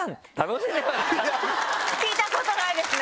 聞いたことないですね。